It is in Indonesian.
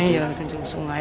iya terjun ke sungai